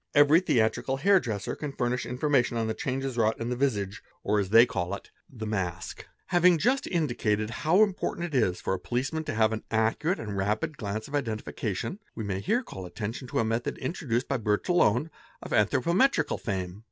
every the : trical hair dresser can furnish information on the changes wrought in visage, or as they call it, the mask. DISGUISING THE FACE 301 Having just indicated how important it is for a policeman to have an accurate and rapid glance of identification, we may here call attention to a method introduced by Bertillon of anthropometrical fame.